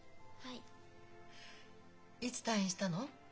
いつ退院したの？